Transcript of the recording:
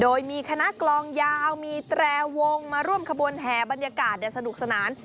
โดยมีคณะกลองยาวมีแตรวงมาร่วมขบวนแห่บรรยากาศสนุกสนาน